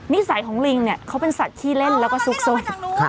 นิสัยของลิงเนี่ยเขาเป็นสัตว์ขี้เล่นแล้วก็ซุกสน